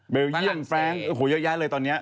เบลเยี่ยมแฟรงค์โอ้โหยากยากเลยตอนนี้